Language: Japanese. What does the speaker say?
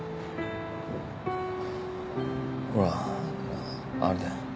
ほらあのあれだよ